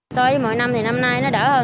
so với mỗi năm thì năm nay nó đỡ hơn